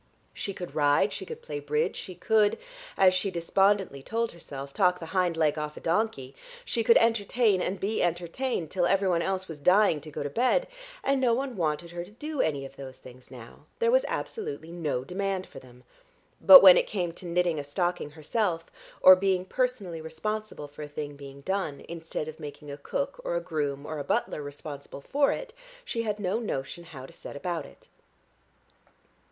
She could ride, she could play bridge, she could, as she despondently told herself, talk the hind leg off a donkey, she could entertain and be entertained till everyone else was dying to go to bed. And no one wanted her to do any of those things now; there was absolutely no demand for them. But when it came to knitting a stocking herself, or being personally responsible for a thing being done, instead of making a cook or a groom or a butler responsible for it, she had no notion how to set about it.